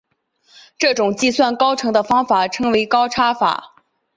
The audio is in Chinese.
这种计算高程的方法称为高差法。